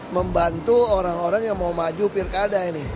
membantu orang orang yang mau maju pilkada ini